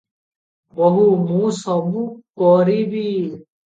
ବୋହୂ- ମୁଁ -ସ -ବୁ - କ -ରି -ବି ।